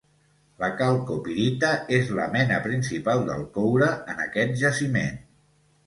La calcopirita és la mena principal del coure en aquest jaciment.